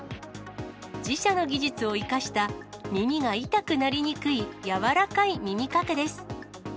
自社の技術を生かした、耳が痛くなりにくい、柔らかい耳掛けです。